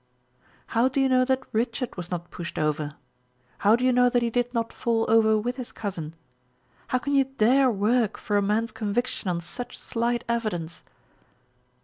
"How do you know that Richard was not pushed over? How do you know that he did not fall over with his cousin? How can you dare work for a man's conviction on such slight evidence?"